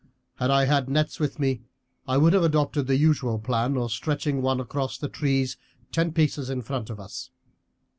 Had I had nets with me I would have adopted the usual plan of stretching one across the trees ten paces in front of us.